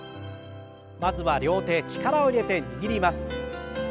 まずは両手力を入れて握ります。